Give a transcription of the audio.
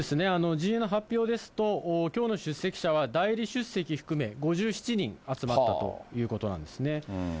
陣営の発表ですと、きょうの出席者は、代理出席含め、５７人集まったということなんですね。